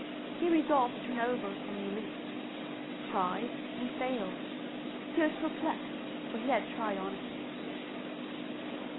He resolved to turn over a new leaf. Tried and failed. He was perplexed, for he had tried honestly.